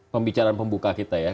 pembicaraan pembuka kita ya